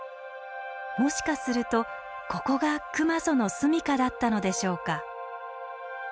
もしかするとここが熊襲の住みかだったのでしょうか。